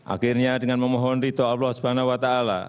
akhirnya dengan memohon rito allah swt